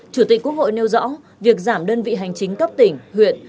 chủ tịch quốc hội nêu rõ việc giảm đơn vị hành chính cấp tỉnh huyện